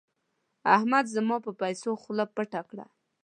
احمد زما پر پيسو خوله پټه کړه.